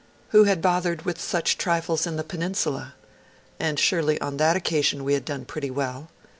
Who had bothered with such trifles in the Peninsula? And surely, on that occasion, we had done pretty well.